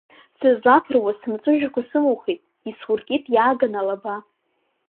Сызлаԥыруаз сымҵәыжәҩақәа сымухит, исуркит иааган алаба.